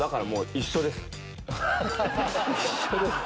「一緒です」。